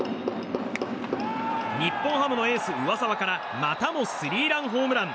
日本ハムのエース上沢からまたもスリーランホームラン。